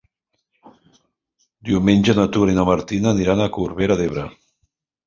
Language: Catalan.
Diumenge na Tura i na Martina iran a Corbera d'Ebre.